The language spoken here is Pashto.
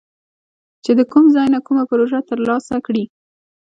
چې د کوم ځای نه کومه پروژه تر لاسه کړي